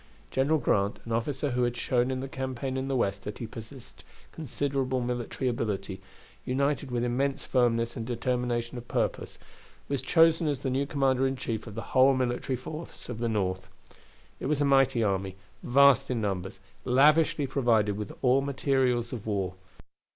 General Grant, an officer who had shown in the campaign in the West that he possessed considerable military ability, united with immense firmness and determination of purpose, was chosen as the new commander in chief of the whole military force of the North. It was a mighty army, vast in numbers, lavishly provided with all materials of war.